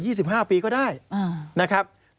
หรืออยู่สิบห้าปีก็ได้นะครับ